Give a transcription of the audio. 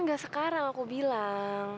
enggak sekarang aku bilang